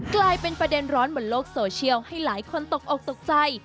กลายเป็นประเด็นร้อนบนโลกโซเชียลให้หลายคนตกอกตกใจ